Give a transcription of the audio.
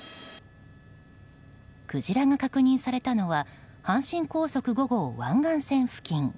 クジラが確認されたのは阪神高速５号湾岸線付近。